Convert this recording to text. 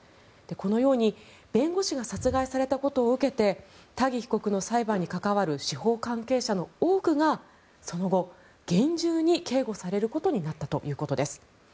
このように弁護士が殺害されたことを受けてタギ被告の裁判に関わる司法関係者の多くがその後、厳重に警護されることになったということです。